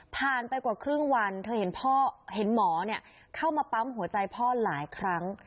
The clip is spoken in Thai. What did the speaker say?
ผ่านไปกว่าครึ่งวันเธอเห็นพ่อเห็นหมอเข้ามาปั๊มหัวใจพ่อหลายครั้ง